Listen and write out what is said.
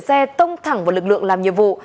điều khiển xe tông thẳng vào lực lượng làm nhiệm vụ